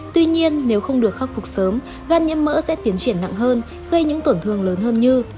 tuy nhiên nếu không được khắc phục sớm gan nhiễm mỡ sẽ tiến triển nặng hơn gây những tổn thương lớn hơn như